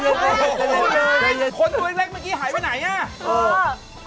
เมื่อกี้หายไปไหนน่ะ